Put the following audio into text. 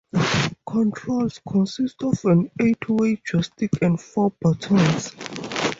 Controls consist of an eight-way joystick and four buttons.